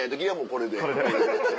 これで。